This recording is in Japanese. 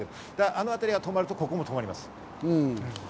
あの辺りが止まると、ここも止まります。